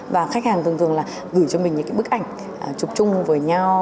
và khách hàng thường thường là gửi cho mình những cái bức ảnh chụp chung với nhau